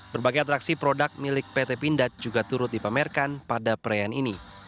berbagai atraksi produk milik pt pindad juga turut dipamerkan pada perayaan ini